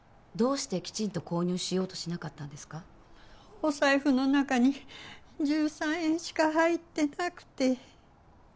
お財布の中に１３円しか入ってなくて。